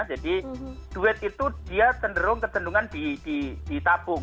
jadi duit itu dia cenderung ketendungan ditabung